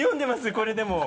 これでも。